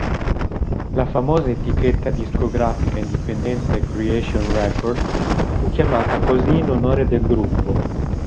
La famosa etichetta discografica indipendente Creation Records fu chiamata così in onore del gruppo.